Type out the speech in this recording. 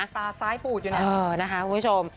ตาซ้ายปูดอยู่เนี่ยนะคะคุณผู้ชม